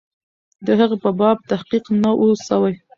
د هغې په باب تحقیق نه وو سوی.